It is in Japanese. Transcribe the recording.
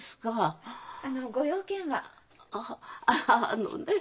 ああのね